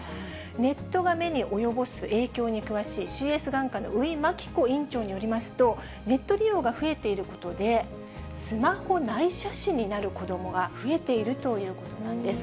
ネットが目に及ぼす影響に詳しいＣＳ眼科の宇井牧子院長によりますと、ネット利用が増えていることで、スマホ内斜視になる子どもが増えているということなんです。